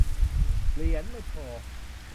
เหรียญไม่พอ